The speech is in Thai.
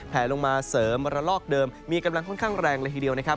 แผลลงมาเสริมระลอกเดิมมีกำลังค่อนข้างแรงเลยทีเดียวนะครับ